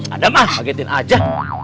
ada mah bagetin aja